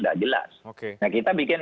enggak jelas kita bikin